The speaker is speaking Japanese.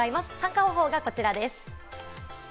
参加方法がこちらです。